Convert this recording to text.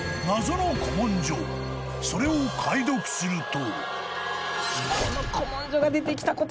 ［それを解読すると］